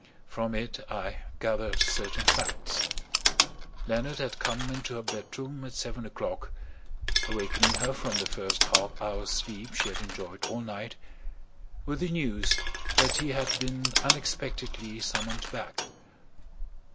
From it I gathered certain facts. Leonard had come into her bedroom at seven o'clock, awakening her from the first half hour's sleep she had enjoyed all night, with the news that he had been unexpectedly summoned back.